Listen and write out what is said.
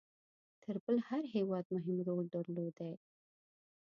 تر بل هر هیواد مهم رول درلودی.